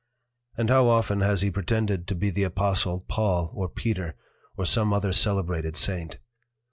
And how often has he pretended to be the Apostle Paul or Peter or some other celebrated Saint?